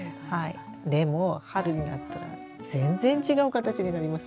でも春になったら全然違う形になります。